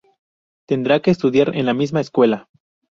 Tendrá que estudiar en la misma escuela.